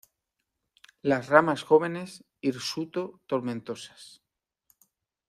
Las ramas jóvenes hirsuto tomentosas.